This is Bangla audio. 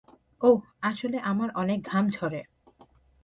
ওহ, আসলে আমার অনেক ঘাম ঝরে।